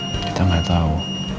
kita gak tau